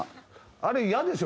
あれ嫌でしょ？